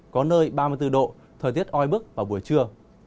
có nơi ba mươi bốn độ thời tiết oi bức vào buổi trưa